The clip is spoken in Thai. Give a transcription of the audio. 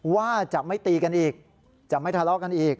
ว่าจะไม่ตีกันอีกจะไม่ทะเลาะกันอีก